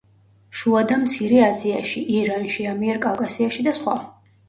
შუა და მცირე აზიაში, ირანში, ამიერკავკასიაში და სხვა.